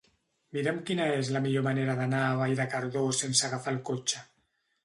Mira'm quina és la millor manera d'anar a Vall de Cardós sense agafar el cotxe.